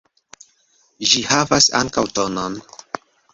Ĝi havas ankaŭ tonon.